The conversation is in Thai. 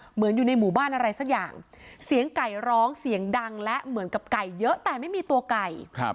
เหมือนอยู่ในหมู่บ้านอะไรสักอย่างเสียงไก่ร้องเสียงดังและเหมือนกับไก่เยอะแต่ไม่มีตัวไก่